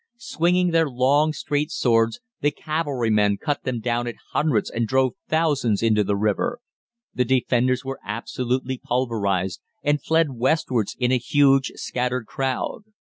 Swinging their long, straight swords, the cavalrymen cut them down in hundreds and drove thousands into the river. The 'Defenders' were absolutely pulverised and fled westwards in a huge scattered crowd.